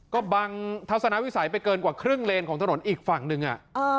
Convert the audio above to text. ก็บังทัศนวิสัยไปเกินกว่าครึ่งเลนของถนนอีกฝั่งหนึ่ง